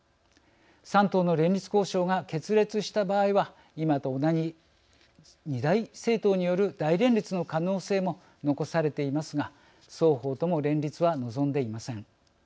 ３党の連立交渉が決裂した場合は今と同じ２大政党による大連立の可能性も残されていますが双方とも連立は望んでいません。